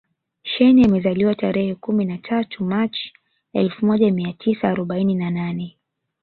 Shein amezaliwa tarehe kumi na tatu machi elfu moja mia tisa arobaini na nane